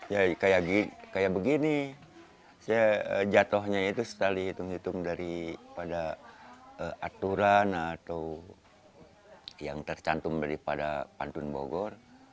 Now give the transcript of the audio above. ya kayak begini jatohnya itu setelah dihitung hitung dari pada aturan atau yang tercantum daripada pantun bogor